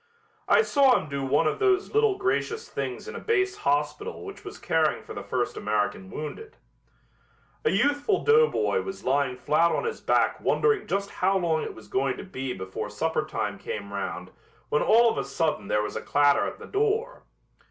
I saw him do one of those little gracious things in a base hospital which was caring for the first American wounded. A youthful doughboy was lying flat on his back wondering just how long it was going to be before supper time came round when all of a sudden there was a clatter at the door.